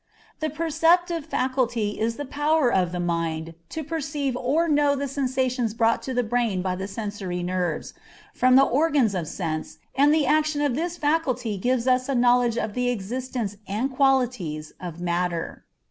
The Perceptive Faculty is the power of the mind to perceive or know the sensations brought to the brain by the sensory nerves, from the organs of sense, and the action of this faculty gives us a knowledge of the existence and qualities of matter.